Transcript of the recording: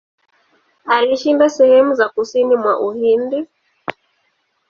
Alishinda sehemu za kusini mwa Uhindi.